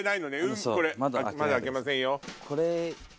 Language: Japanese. まだ開けませんよ。